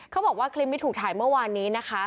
เขาบอกว่าคลิปนี้ถูกถ่ายเมื่อวานนี้นะคะ